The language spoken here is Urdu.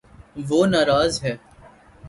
وہ ناراض ہے